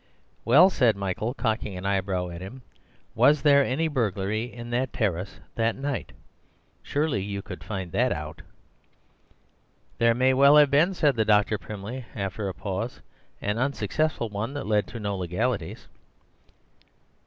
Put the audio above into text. "Well," said Michael, cocking an eyebrow at him, "was there any burglary in that terrace that night? Surely you could find that out." "There may well have been," said the doctor primly, after a pause, "an unsuccessful one that led to no legalities."